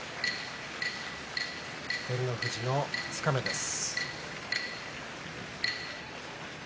照ノ富士の二日目です。